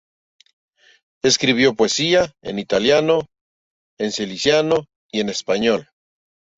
Escribió poesía en italiano, en siciliano y en español.